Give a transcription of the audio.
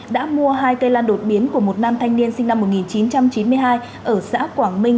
đã mua hai cây lan đột biến của một nam thanh niên sinh năm một nghìn chín trăm chín mươi hai ở xã quảng minh